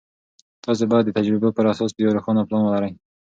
تاسې باید د تجربو پر اساس یو روښانه پلان ولرئ.